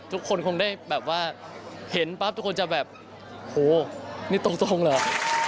คงได้แบบว่าเห็นปั๊บทุกคนจะแบบโหนี่ตรงเหรอ